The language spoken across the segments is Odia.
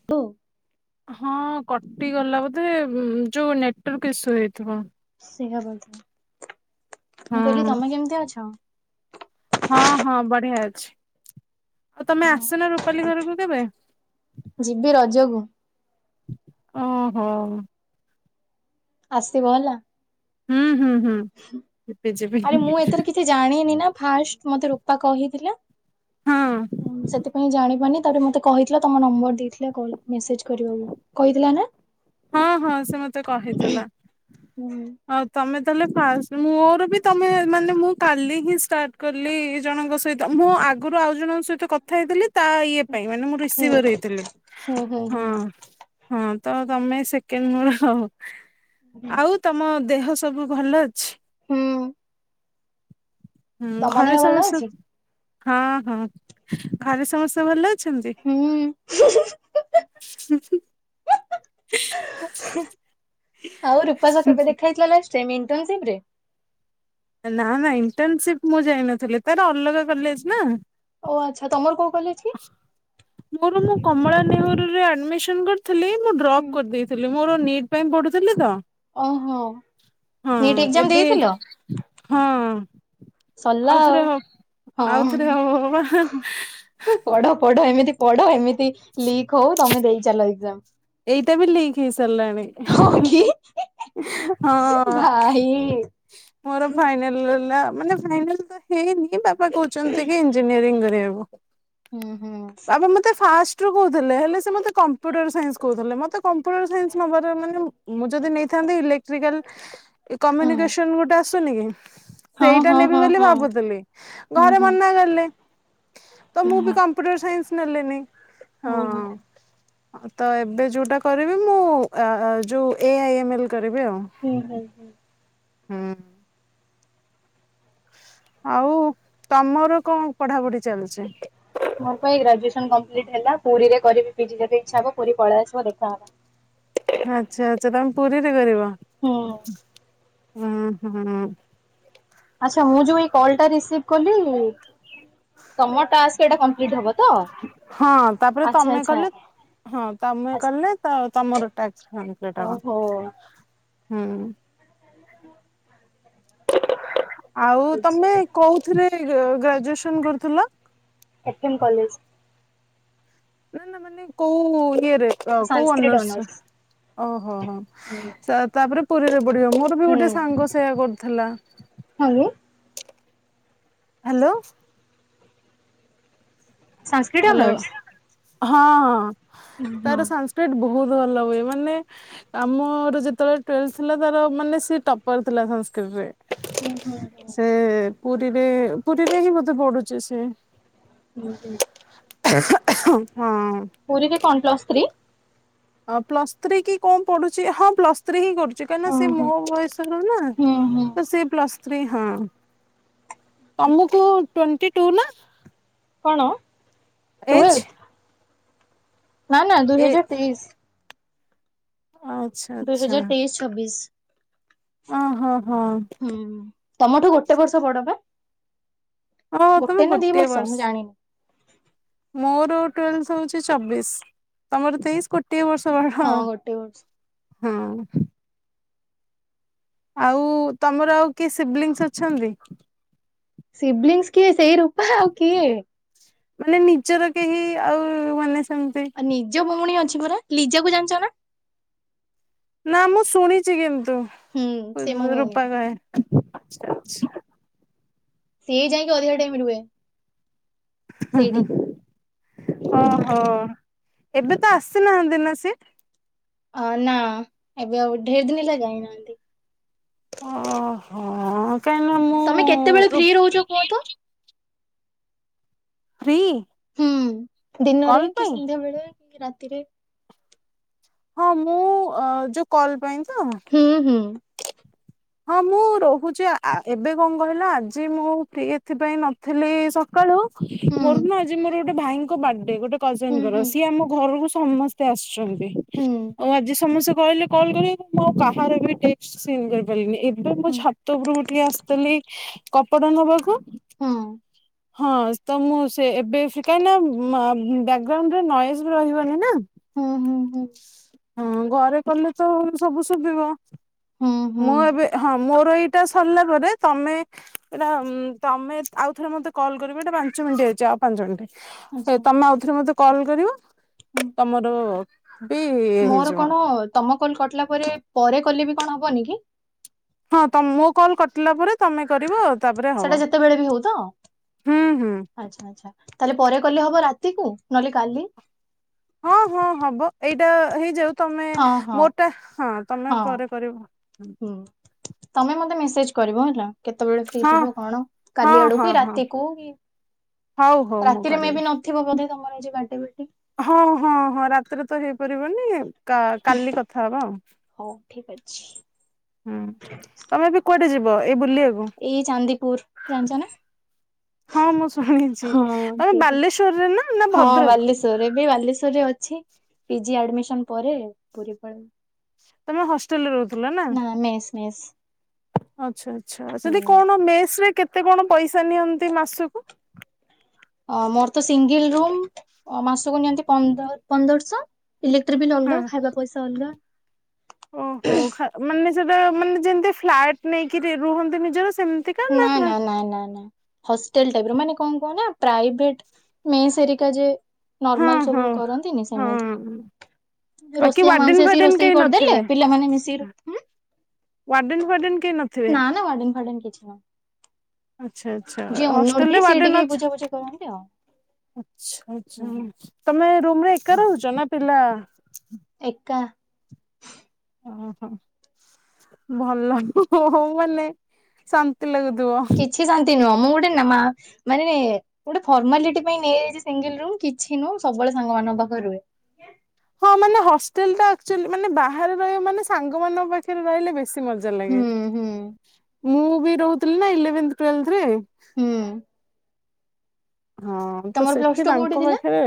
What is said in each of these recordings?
[inaudible] ହଁ କଟିଗଲା ବୋଧେ ଯୋଉ ନେଟୱର୍କ ଇସୁ ହେଇଥିବ। ସେୟା ବୋଧେ ମୁଁ କଇଲି ହଁ ତମେ କେମ୍ତି ଅଛ। ହଁ ହଁ ବଢ଼ିଆ ଅଛି ଆଉ ତମେ ଆସୁନ ରୁପାଲି ଘରକୁ କେବେ। ଯିବି ରଜଗୁ। ଓ ହ। ଆସିବ ହେଲା। ହୁଁ ହୁଁ ହୁଁ। ଯିବି ଯିବି [inaudible] ଆରେ ମୁଁ ଏତିରେ କିଛି ଜାଣିନି ନା ଫାଷ୍ଟ୍ ମତେ ରୂପା କହିଥିଲା। ହଁ ଉଁ ସେଥିପାଇଁ ଜାଣିପାର୍ନି ତାପରେ ମୁତେ। କହିଥିଲା ତମ ନମ୍ବର୍ ଦେଇଥିଲା କଲ୍ ମେସେଜ୍ କରିବାକୁ କହିଥିଲା ନାଁ। ହଁ ହଁ ସେ ମତେ କହିଥେଲା। ହୁଁ। ଅ ତମେ ତାଲେ ଫାଷ୍ ମୋର ବି ତମେ ଏ ମାନେ ମୁଁ କାଲି ହିଁ ଷ୍ଟାଟ୍ କାଲି ହିଁ ଜଣଙ୍କ ସଇ ତ ମୁଁ ଆଗରୁ ଆଉ ଜଣଙ୍କ ସହିତ କଥା ହେଇଥିଲି ତା ଇ ଇଏ ପାଇଁ ମାନେ ମୁଁ ହୁଁ ରିସବର୍ ହେଇଥିଲି ହୁଁ ହଁ ହୁଁ ହଁ ତ ତମେ ସେକେନ୍ ମୋର ହଉ ଆଉ ତମ ଦେହ ସବୁ ଭଲ ଅଛି। ହୁଁ ହୁଁ ତମ ଘରେ ଦେହ ଭଲ ସମସ୍ତେ ଅଛି? ହଁ ହଁ ଘରେ ସମସ୍ତେ ଭଲ ଅସ୍ ଛନ୍ତି ହୁଁ। [unintelligible] ଆଉ ରୂପାସ କେବେ ଦେଖାଇଥିଲା ଲାଷ୍ଟ ଟାଇମ ମି [unintelligible] ରେ। ନା ନା ଇଣ୍ଟନ୍ ସିପ୍ ମୁଁ ଯାଇ ନଥିଲି ତାର ଅଲଗା କଲେଜ୍ ନା। ଓ ଆଚ୍ଛା ତମର କୋଉ କଲେଜ୍ କି? ମୋର ମୁଁ କମଳା ନେହୁରୁରେ ଆଡ୍ମିସନ୍ କର ଥିଲି ମୁଁ ଡ୍ରପ୍ କର୍ଦେଇଥିଲି ମୋର ନିଟ୍ ପାଇଁ ପଢ଼ୁଥିଲି ତ ଓହ ହଁ ନିଟ୍ ଏକ୍ଜାମ ଏବେ ଦେଇଥିଲ। ହଁ ସରିଲା ଆଉ ଆଉଥରେ ହ ଆଉଥରେ ହଅ ବା ପଢ଼ ପଢ଼ ଏମିତି ପଢ଼ ଏମିତି ଲିକ୍ ହଉ ତମେ ଦେଇ ଚାଲ ଏକ୍ଜାମ୍। ଏଇଟା ବି ଲିଙ୍କ୍ ହେଇସାର୍ଲାଣି। ହଁ କି [inaudible] [unintelligible] ହଁ ଭାଇ ମୋର ଫାଇନାଲ୍। ହୁ ଲା ଲା ମାନେ ଫାଇନାଲ୍ ତ ହେଇନି ବାପା କଉଛନ୍ତି କି ଇଞ୍ଜିନିୟରିଙ୍ଗ୍ କରିବାକୁ। ହୁଁ ହୁଁ। ବାବା ମତେ ଫାଷ୍ଟ୍ ରୁ କହୁଥିଲେ ହେଲେ ସେ ମତେ କମ୍ପ୍ୟୁଟର ସା କଉଥଲେ ମତେ କମ୍ପୁଟର୍ ସାଇନ୍ସ୍ ନବାରେ ମାନେ ମୁଁ ମୁଁ ଯଦି ନେଇଥାନ୍ତି ଇଲେକ୍ଟ୍ରିକାଲ୍ ଇ ହୁଁ କମିନିକେସନ୍ ଗୁଟେ ଆସୁନି କି? ହଁ ସେଇଟା ହଁ ନେବି ହଁ ବୋଲି ହଁ ଭାବୁତିଲି ହୁଁ ଘରେ ହୁଁ ମନା ଗଲେ ତ ହୁଁ ମୁଁ ବି ହଁ କମ୍ ପୁଟର୍ ସାଇନ୍ସ୍ ନେଲେନି। ହୁଁ ହୁଁ। ତ ଏବେ ଯୋଉଟା କରିବି ମୁଁ ଆ ଆ ଯୋଉ ଏ ଆଇ ଏମେଲ୍ କରିବି ଆଉ। ହେ ଭାଇ। ହୁଁ। ଆଉ ତମର କଁ ପଢ଼ା ପୁଢ଼ି ଚାଲ୍ଛି? ମୋର୍ ପାଇ ଗ୍ରାଜୁଏସନ୍ କମ୍ପ୍ଲିଟ୍ ହେଲା ପୁରୀରେ କରିବି ପିଜି ଯଦି ଇଚ୍ଛା ହବ ପୁରୀ ପଳେଇ ଆସିବ ଦେଖାହବା। ଏ ଆଚ୍ଛା ଆଚ୍ଛା ତମେ ପୁରୀରେ କରିବ ହୁଁ ହୁଁ ହୁଁ। ଆସା ମୁଁ ଯୋଉ ଏ କଲ୍ ଟା ରିସିବ୍ କଲି। ତମ ଟାକ୍ସ୍ ଏଟା କମ୍ପ୍ଲିଟ୍ ହବ ତ ଆଚ୍ଛା! ହଁ ତାପରେ ତମେ ଆଚ୍ଛା! କଲେ ହଁ ତମେ ଆଚ୍ଛା କଲେ ତ ତମର ଟାକ୍ସ୍ କମ୍ପ୍ଲିଟ୍ ଅବ ଓହୋ ହୁଁ। ଆଉ ତମେ ବୁଝିଲି କୋଉଥିରେ ଏ ଗ୍ରାଜୁଏସନ୍ କରୁଥିଲ? ଏ ଥେମ୍ କଲେଜ୍। ନା ନା ମାନେ କୋଉ ଇଏ ରେ। ଅ କୋଉ ଅନର୍ସ ଅ ହ ହ ହୁଁ ସା ତାପରେ ପୁରୀରେ ପଡ଼ିବ ମୋର୍ ମୋର ବି ଗୋଟେ ସାଙ୍ଗ ସେୟା କରୁଥିଲା। Hello hello Sanskrit hello honours? ହଁଅଃ ଉଁ ହୁଁ ତାର ସଂସ୍କ୍ରିଟ ବହୁତ ଭଲ ହୁଏ ମାନେ। ଆମର ଯେତେବେଳେ ଟୁଏଲଭ ଥିଲା ତାର ମାନେ ସେ ଟପର ଥିଲା ସଂସ୍କୃତରେ ହୁଁ ହୁଁ ସେ ପୁରୀରେ ପୁରୀରେ ହିଁ ବୋଧେ ପଢୁଛି ସେ ହୁଁ ହୁଁ। ହଁ। ପୁରୀରେ କଣ ପ୍ଲସ୍ ଥ୍ରୀ। ଆ ପ୍ଲସ୍ ଥ୍ରୀ କି କଣ ପଡୁଛି ହଁ ପ୍ଲସ୍ ଥ୍ରୀ ହିଁ କରୁ [unintelligible] ନା ସେ ଓହୋ। ମୋ ବୟସ ର ନା ହୁଁ ହୁଁ ତ ସେ ପ୍ଲସ୍ ଥ୍ରୀ ହଁ। ତମକୁ ଟ୍ୱେଣ୍ଟି ଟୁ ନା। କଣ। ଏଜ୍। ଟୁଏଲ୍ଥ ନା ନା ଦୁଇ ହଜାର ତେଇଶି। ଆଁ କ୍। ଦୁଇ ହଜାର ତେଇଶି ଛବିଶି। ହ ହଁ ହଁ। ହୁଁ ତମଠୁ ଗୋଟେ ବର୍ଷ ବଡ ପା। ହଁ ତମେ ଦି ଗୋଟେ ବର୍ଷ। ମୁଁ ଜାଣିନି। ମୋର ଟୁଏଲଭଥ ହଉଛି ଚବିଶି ତମର ତେଇଶି କୋଟି। ଟେ ବର୍ଷ ବାଇ ହଁ। ଗୋଟେ ବର୍ଷ। ଆଉ ତମର ଆଉ କିଏ ସିବଲିଙ୍ଗସ୍ ଅଛନ୍ତି? ସିବ୍ଲିଙ୍ଗସ କିଏ ସେଇ ରୂପା ଆଉ କିଏ। ମାନେ ନିଜର କେହି ଆଉ ମାନେ ସେମିତି ଆଉ ନିଜ ଭଉଣୀ ଅଛି ପରା ଲିଜାକୁ ଜାଣିଛ ନା? ନା ମୁଁ ଶୁଣିଛି କିନ୍ତୁ ହୁଁ ସେ ମୋ ଭଉଣୀ ରୂପା କହେ। ସିଇ ଯାଇକି ଅଧିକ ଟାଇମ ରୁହେ। ସେଇଠି। ହଁ ଓହୋ ଏବେ ତ ଆସିନାହାନ୍ତି ନା ସିଏ? ଅ ନା ଏବେ ଆଉ ଢେର ଦିନ ହେଲା ଯାଇନାହାନ୍ତି। ଓହୋ ଆଁ। ତମେ କେତେବେଳେ ଫ୍ରି ରହୁଛ କୁହତ। ଫ୍ରି। ହୁଁ ଦିନରେ କଲ୍ କି ପାଇଁ ସନ୍ଧ୍ୟା ବେଳେ କି ରାତିରେ ହଁ ମୁଁ ଯୋଉ କଲ୍ ପାଇଁ ତ। ହୁଁ ହୁଁ। ହଁ ମୁଁ ରହୁଛି ଏବେ କଣ କହିଲ ଆଜି ମୁଁ ଫ୍ରି ଏଥିପାଇଁ ନଥିଲି ସକାଳୁ। ମୋର ହୁଁ ନା ଆଜି ମୋର ଗୋଟେ ଭାଇଙ୍କ ବାର୍ଥଡେ ଗୋଟେ ହୁଁ କଜନଙ୍କର ହୁଁ ସିଏ ଆମ ଘରକୁ ସମସ୍ତେ ଆସୁଛନ୍ତି ଆଉ ଆଜି ସମସ୍ତେ କହିଲେ କଲ କରିବାକୁ କାହାର ବି [unintelligible] ଏବେ ମୋ ହୁଁ ଛାତ ଉପରୁକୁ ଟିକେ ଆସିଥିଲି କପଡା ନବାକୁ। ହଁ। ହଁ ତ ମୁଁ ସେ ଏବେ ସେ କାଇଁନା ବ୍ୟାଗ୍ରାଉଣ୍ଡରେ ନଏଜ ବି ରହିବନି ନା। ହୁଁ ହୁଁ ହୁଁ। ହଁ ଘରେ କଲେ ତ ସବୁ ଶୁଭିବ ହୁଁ ହୁଁ ମୁଁ ଏବେ ହୁଁ ହଁ ମୋର ଏଇଟା ସରିଲା ପରେ ତମେ ଏଇଟା ତମେ ଆଉ ଥରେ ମତେ କଲ୍ କରିବ ଏଇଟା ପାଞ୍ଚ ମିନିଟ୍ ହେଇଛି ଆଉ ପାଞ୍ଚ ମିନିଟ ଆଚ୍ଛା ତମେ ଆଉଥରେ ମତେ କଲ୍ କରିବ ହୁଁ। ତମର ବି ମୋର ହେଇଯିବ କଣ ତମ କଲ କଟିଲା ପରେ ପରେ କଲେ ବି କଣ ହବନି କି? ହଁ ତମ ମୋ କଲ୍ କଟିଲା ପରେ ତମେ କରିବ। ତାପରେ ସେଟା ହବ ଯେତେବେଳେ ବି ହଉ ତ ହୁଁ ହୁଁ। ଆଚ୍ଛା ଆଚ୍ଛା ତାହେଲେ ପରେ କଲେ ହବ ରାତିକୁ ନହେଲେ କାଲି। ହଁ ହଁ ହବ ଏଇଟା ହେଇଯାଉ ତମେ ହଁ ହଁ ମୋର ଟା ହଁ ତମେ ହଁ ପରେ କରିବ। ହୁଁ ତମେ ମତେ ମେସେଜ କରିବ ହେଲା କେତେବେଳେ ହଁ ହେଇଥିବ କଣ ହଁ କାଲି ହଁ ଆଡକୁ ହଁ ରାତିକୁ ହଉ ହଉ ମୁଁ ରାତିରେ ମେ କରିବି ବି ନ ଥିବ ବୋଧ ତମର ଆଜି ବାର୍ଡେ ପାଟି ହଁ ହଁ ହଁ ରାତିରେ ତ ହେଇପାରିବନି। କାଲି କଥା ହବ ଆଉ। ହଉ ଠିକ ଅଛି ହୁଁ ତମେ ବି କୁଆଟେ ଯିବ ଏଇ ବୁଲିବାକୁ? ଏଇ ଚାନ୍ଦିପୁର, ଜାଣିଛ ନା? ହଁ ମୁଁ ଶୁଣିଛି ହଁ ତମେ ସେଇଠି। ବାଲେଶ୍ଵରରେ ନା ନା ହଁ ଭଦ୍ରକ? ବାଲେଶ୍ଵର ଏବେ ବାଲେଶ୍ଵରରେ ଅଛି ପିଜି ଆଡମିସନ ପରେ ପୁରୀ ପଳେଇବି। ତମେ ହଷ୍ଟେଲ ରେ ରହୁଥିଲ ନା? ମେସ୍ ମ ସ୍ ଆଚ୍ଛା ଆଚ୍ଛା ଯଦି କଣ ମେସ ରେ କେତେ କଣ ପଇସା ନିଅନ୍ତି ମାସକୁ? ଅ ମୋର ତ ସିଙ୍ଗଲ ରୁମ୍ ମାସକୁ ନିଅନ୍ତି ପନ୍ଦରଶହ। ଇଲେକ୍ଟ୍ର ବିଲ୍ ହୁଁ ଅଲଗା ଖାଇବା ପଇସା ଅଲଗା। ଓହୋ ମାନେ ସେଟା ମାନେ ଯେମିତି ଫ୍ଲାଟ ନେଇକି ରୁହନ୍ତି ନିଜର ସେମିତି ନାଇଁ ନାଇଁ ନାଇଁ ନାଇଁ ନାଇଁ ହଷ୍ଟେଲ ଟାଇପ ର। ମାନେ କଣ କହନା ପ୍ରଭେଟର ଯେ ହଁ ନର୍ମାଲ ହଁ ସବୁ କରନ୍ତିନି ସେମିତି। ହଁ ବାକି ରୋଷେଇଆ ୱାର୍ଡେନ ମାଉସୀସି ଫାର୍ଡେନ ରୋଷେଇ କେହି କରିଦେଲେ ନଥିବେ ପିଲାମାନେ ମିଶିକି ୱାର୍ଡେନ ଫୱାର୍ଡେନ୍ କେହି ନଥିବେ। ମଡନ ଫାର୍ଡନ୍ କିଛି ନା ଆଚ୍ଛା ଆଚ୍ଛା ଯିଏ ଓନର ହଷ୍ଟେଲ ଯିଏ ଟିକେ ବୂଝା ବୁଝା କରନ୍ତି ଆଉ। ଆଚଛା ହୁଁ ଆଛା ତମେ ରୁମରେ ଏକା ହହୁଛ ନା ପିଲା ଏକା ଓହୋ ଭଲ ହଉ ମାନେ ଶାନ୍ତି ଲାଗୁଥିବ। କିଛି ଶାନ୍ତି ନୁହଁ ମୁଁ ଗୋଟେ [unintelligible] ମାନେ ଗୋଟେ ଫର୍ମାଲିଟି ପାଇଁ ନେଇଯାଇଛି ସିଙ୍ଗଲ ରୁମ କିଛି ନୁହଁ ସବୁବେଳେ ସାଙ୍ଗ ମାନଙ୍କ ପାଖରେ ରୁହେ। ହଁ ମାନେ ହଷ୍ଟେଲ ଟା ଆକ୍ଚୁଆଲି ମାନେ ବାହାରେ ରହିବ ମାନେ ସାଙ୍ଗମାନଙ୍କ ପାଖରେ ରହିଲେ ବେଶ ମଜା ଲାଗେ ହୁଁ ହୁଁ। ମୁଁ ବି ରହୁଥିଲି ନା ଇଲେଭଵନ [unintelligible] ରେ ହୁଁ ହଁ ତ ତମର ପ୍ଲସ ସେଠି ଟୁ କୋଉଠି ତାଙ୍କ ଥିଲା ପାଖରେ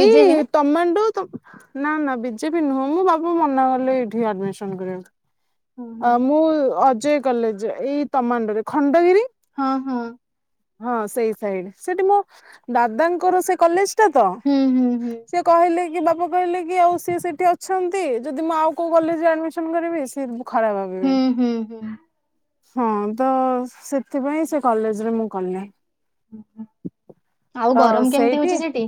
ବିଜେପି ନା? ତମେଠୁ ନା ନା ବିଜେପି ନୁହେଁ ମୁଁ ବାବା ମନା କଲେ ଏଇଠି ଆଡମିସନ କରିବା ପାଁଇ। ହଁ ଅ ହଁ ମୁଁ ଅଜୟ କଲେଜ ଏଇ ତମାଣ୍ଡୁରେ, ଖଣ୍ଡଗିରି ହଁ ହଁ ହଁ ସେଇ ସାଇଡ ସେଠି ମୋ ଦାଦାଙ୍କର ସେ କଲେଜ ଟା ତ? ହୁଁ ହୁଁ ସିଏ କହିଲେ କି ବାପା କହିଲେ କି ଆଉ ସିଏ ସେଇଠି ଅଛନ୍ତି ଯଦି ମୁଁ ଆଉ କେଉଁ କଲେଜରେ ଆଡ଼ମିସନ୍ କରିବି ସିଏ ଖରାପ ଭାବିବେ। ହୁଁ ହୁଁ ହୁଁ। ହଁ ତ ସେଥିପାଇଁ ସେ କଲେଜରେ ମୁଁ କଲିନି। ଆଉ ଗରମ କେମିତି ସେଇଠି ହଉଛି ସେଠି?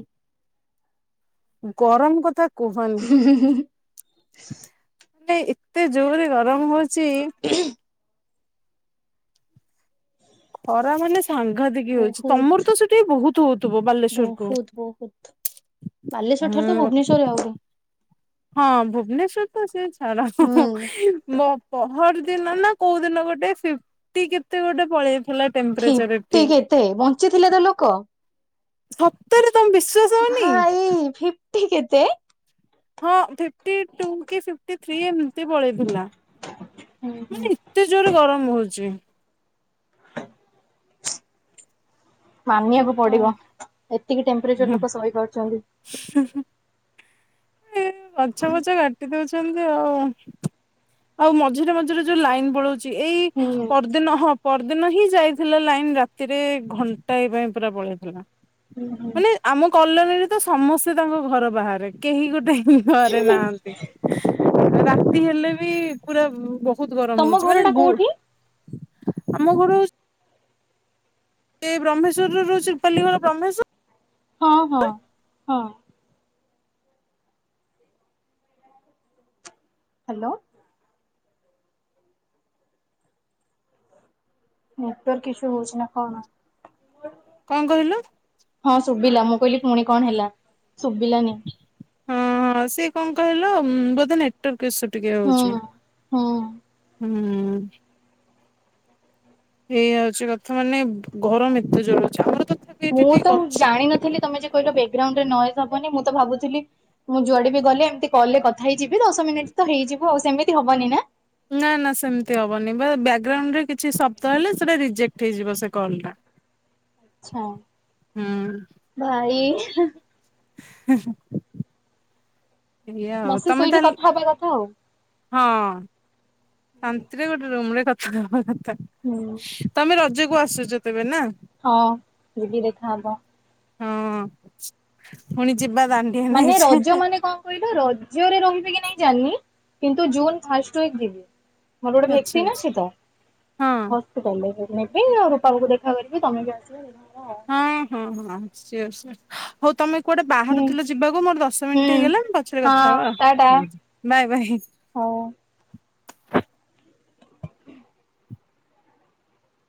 ଗରମ କଥା କୁହନି। ମାନେ ଏତେ ଜୋରରେ ଗରମ ହଉଛି ଖରା ମାନେ ସାଙ୍ଘା ଦେଇକି ହଉଛି ତମର ବହୁତ ତ ସେଠି ବହୁତ ହଉ ତବୁ ବାଲେଶ୍ୱଵର କୁ। ବହୁତ ବହୁତ ବାଲେଶ୍ଵର ଠାରୁ ତ ହୁଁ ଭୁବନେଶ୍ଵରରେ ଆହୁରି। ହଁ ଭୁବନେଶ୍ଵର ତ ଅ ସେ ହୁଁ ଛାଡ ପହର ଦିନ ନା କୋଉ ଦିନ ଗୋଟେ ଫଫ୍ଟି କେତେ ଗୋଟେ ପଳେଇଥିଲା। ଫିଫ୍ଟି କେତେ ବଞ୍ଚିଥିଲେ ତ ଲୋକ? [unintelligible] ତମେ ବିଶ୍ୱାସ ଭାଇ ଫିଫ୍ଟୀ କେତେ? ହଁ ଫିଫ୍ଟି ଟୁ କି ଫିଫ୍ଟି ଥ୍ରି ଏମତି ପଳେଇଥିଲା। ହୁଁ ହୁଁ ମାନେ ଏତେ ଜୋରେ ଗରମ ହଉଚି। ମାନିଆକୁ ହଁ ପଡିବ ଏତିକି ଟେମ୍ପରେଚର ଲୋକ ସହିପାରୁଚନ୍ତି। ହୁଁ ହୁଁ। ଏ ଗଛ ଫଛ କାଟି ଦଉଚନ୍ତି ଆଉ ଆଉ ମଝିରେ ମଝିରେ ଯୋଉ ଲାଇନ ପଳଉଚି। ଚି ଏଇ ହୁଁ ପର୍ଦ ହୁଁ ଦିନ ହଁ ପରଦିନ ହିଁ ଯାଇଥିଲା ଲାଇନ ରାତିରେ ଘଣ୍ଟା ଏ ପାଇଁ ପୁରା ପଳେଇଥିଲା। ହୁଁ ହୁଁ। ମାନେ ଆମ କଲୋନୀରେ ତ ସମସ୍ତେ ତାଙ୍କ ଘର ବାହାରେ। କେହି ଗୋଟେ [unintelligible] ଘରେ ନାହାନ୍ତି ରାତି ହେଲେ ବି ପୁରା ବୋ ବହୁତ ଗରମ ତମ ହଉଛି ଘର ମାନେ ଟା ଗୁଲ୍ କୋଉଠି? ଆମ ଘର ହ ଏ ବ୍ରହ୍ମେଶ୍ୱର ରେ ରହୁଚି ରୂପାଲି ଘର ବ୍ରହ୍ମେଶ୍ୱ ହଁ ହଁ ହଁ। ହାଲୋ। ନେଟୱାର୍କ ଇସୁ ହଉଚି ନା କଣ? କନ୍ କହିଲ? ହଁ ଶୁବିଲା ମୁଁ କହିଲି ପୁଣି କଣ ହେଲା ଶୁବିଲାନି। ହଁ ହଁ ସିଏ କଣ କହିଲ ଉଁ ବୋଧ ନେ ଟର୍କ ଇଶୁ ଟିକେ ହୁଁ ହଉଚି ହୁଁ। ହୁଁ। ଏଇଆ ହଉଛି କଥା ମାନେ ଘରମ ଏତେ ଜୋରେ ଅଛି ଆମର ତଥା ମୁଁ ତ ଜାଣିନଥିଲି ତମେ ଯେ କହିଲ ବେକ୍ ଗ୍ରାଉଣ୍ଡ ରେ ନଏଜ ହବନି ମୁଁ ତ ଭାବୁଥିଲି ମୁଁ ଯୁଆଡେ ବି ଗଲେ ଏମିତି କଲ ରେ କଥା ହେଇଯିବି ଦଶ ମିନିଟ ତ ହେଇଯିବ ଆଉ ସେମିତି ହବନି ନା। ନା ନା ସେମିତି ହବନି ବା ବ୍ୟାକଗ୍ରାଉଣ୍ଡ ରେ କିଛି ଶବ୍ଦ ହେଲେ ସେଟା ରିଜେକ୍ଟ ହେଇଯିବ ସେ କଲ୍ ଟା। ଆଚ୍ଛା ହୁଁ ଭାଇ ହେ ହୁଁ ହୁଁ। ବସି ତମେ ଶୋଇକି ତାହେଲେ କଥା ହବା କଥା ଆଉ। ହଁ ଶାନ୍ତିରେ ଗୋଟେ ରୁମରେ କଥା ହବା କଥା। ହୁଁ। ତମେ ରଜକୁ ଆସୁଚ ତେବେ ନା। ହଁ ଯିବି ଦେଖା ହବ। ହଁ ପୁଣି ଯିବା ତାନ ମାନେ ରଜ ମାନେ କନ କଇଲ ବା ରଜରେ ରହିବେ କି ନାଇଁ ଜାଣିନି କିନ୍ତୁ ଜୁନ ଫାଷ୍ଟ ୱିକ ଯିବି। ମୋର ଗୋଟେ ଆଚ୍ଛା ଭେକସିନ ଆଚ୍ଛା ଅଛି ତ ହଁ ହ [unintelligible] ଆଉ ରୂପାକୁ ବି ଦେଖା କରିବି ତମେ ବି ଆସିବ ଦେଖା ହବା ଆଉ। ହଁ ହଁ ହଁ ସିଓର ସିଓର। ହଉ ତମେ କୁଆଡେ ବାହାରୁ ହୁଁ ଥିଲ ଯିବାକୁ ମୋର ଦଶ ହୁଁ ମିନିଟ୍ ହେଇଗଲା ପଛରେ ହଁ କଥା ହବା ଆଉ ଟାଟା ହୁଁ। Bye bye. ହଉ।